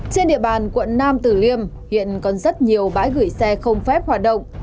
trên địa bàn quận nam tử liêm hiện còn rất nhiều bãi gửi xe không phép hoạt động